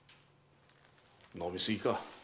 飲み過ぎか。